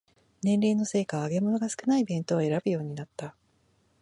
年齢のせいか揚げ物が少ない弁当を選ぶようになった